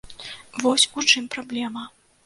Вось у чым праблема.